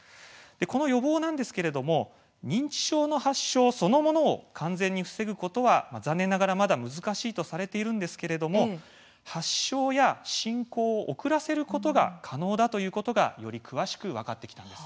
予防なんですけれども認知症の発症そのものを完全に防ぐことは残念ながら、まだ難しいとされているんですが発症や進行を遅らせることが可能だということがより詳しく分かってきたんです。